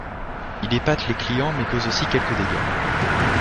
Il épate les clients mais cause aussi quelques dégâts.